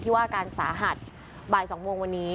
ว่าอาการสาหัสบ่าย๒โมงวันนี้